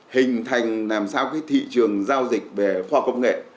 hình thành làm sao cái thị trường giao dịch về khoa học công nghệ